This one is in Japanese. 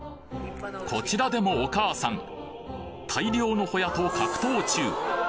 こちらでもお母さん大量のホヤと格闘中！